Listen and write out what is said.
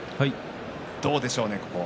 どうでしょうか。